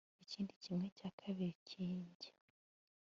ikindi kimwe cya kabiri kijye